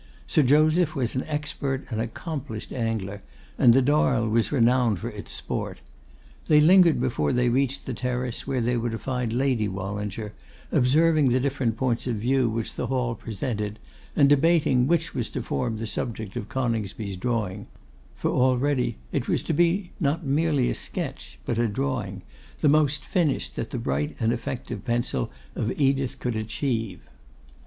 Sir Joseph was an expert and accomplished angler, and the Darl was renowned for its sport. They lingered before they reached the terrace where they were to find Lady Wallinger, observing the different points of view which the Hall presented, and debating which was to form the subject of Coningsby's drawing; for already it was to be not merely a sketch, but a drawing, the most finished that the bright and effective pencil of Edith could achieve.